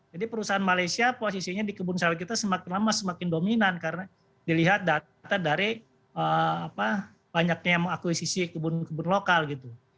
jadi perusahaan malaysia posisinya di kebun sawit kita semakin lama semakin dominan karena dilihat data dari apa banyaknya akuisisi kebun kebun lokal gitu